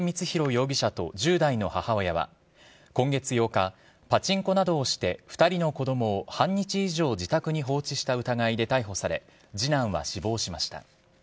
容疑者と１０代の母親は、今月８日、パチンコなどをして、２人の子どもを半日以上、自宅に放置した疑いで逮捕され、次男は死亡しました。